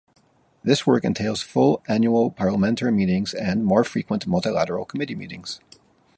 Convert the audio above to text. This work entails full annual parliamentary meetings and more frequent multilateral committee meetings.